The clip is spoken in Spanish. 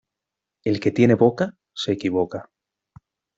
El que tiene boca se equivoca.